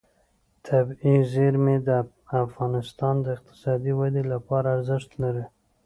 طبیعي زیرمې د افغانستان د اقتصادي ودې لپاره ارزښت لري.